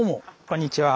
こんにちは。